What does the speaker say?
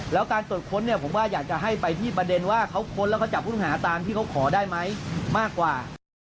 แล้วการตรวจค้นเนี่ยผมว่าอยากจะให้ไปที่ประเด็นว่าเขาค้นแล้วเขาจับผู้ต้องหาตามที่เขาขอได้ไหมมากกว่า